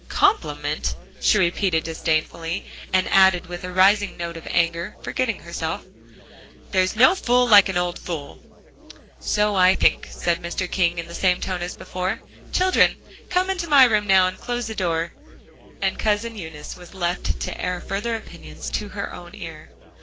"Compliment?" she repeated disdainfully, and added with a rising note of anger, forgetting herself, "there's no fool like an old fool." "So I think," said Mr. King in the same tone as before. "Children, come into my room now, and close the door." And Cousin Eunice was left to air further opinions to her own ear.